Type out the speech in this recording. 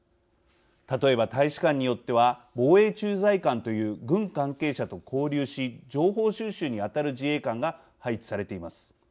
例えば、大使館によっては防衛駐在官という軍関係者と交流し情報収集に当たる自衛官が配置されています。